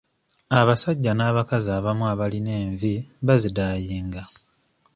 Abasajja n'abakazi abamu abalina envi bazidaayinga.